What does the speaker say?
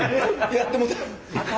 やってもうた。